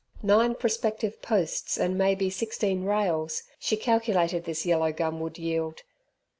Nine prospective posts and maybe sixteen rails she calculated this yellow gum would yield.